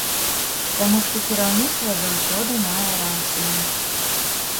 Таму што кіраўніцтва заўсёды мае рацыю.